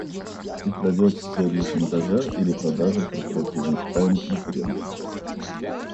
Украдет с целью шантажа или продажи корпоративных тайн конкурентам